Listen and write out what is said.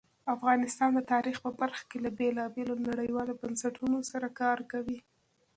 افغانستان د تاریخ په برخه کې له بېلابېلو نړیوالو بنسټونو سره کار کوي.